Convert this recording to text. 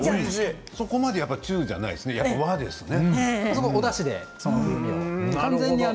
そこまで中じゃないですよね和ですよね。